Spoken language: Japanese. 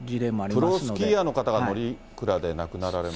プロスキーヤーの方が乗鞍で亡くなられまして。